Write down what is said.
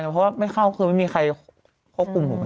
เพราะว่าไม่เข้าคือไม่มีใครควบคุมผม